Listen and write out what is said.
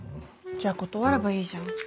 じゃあ断ればいいじゃん。